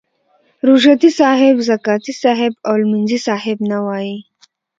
روژه تي صاحب، زکاتې صاحب او لمونځي صاحب نه وایي.